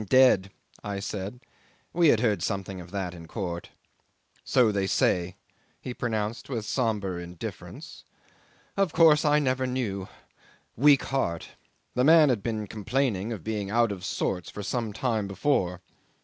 '"Dead," I said. We had heard something of that in court. '"So they say," he pronounced with sombre indifference. "Of course I never knew. Weak heart. The man had been complaining of being out of sorts for some time before.